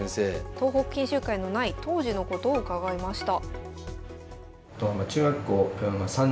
東北研修会のない当時のことを伺いました。